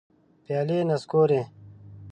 پیالي نسکوري